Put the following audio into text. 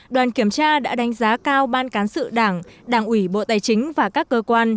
đoàn kiểm tra đã đánh giá cao ban cán sự đảng đảng ủy bộ tài chính và các cơ quan